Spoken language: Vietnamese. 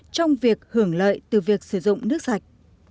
trong việc hưởng lợi từ việc sử dụng nước sạch